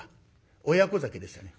「親子酒」でしたね。